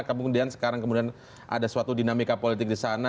kemudian sekarang kemudian ada suatu dinamika politik di sana